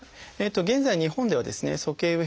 現在日本ではですね鼠径部